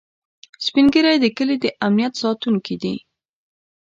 سپین ږیری د کلي د امنيت ساتونکي دي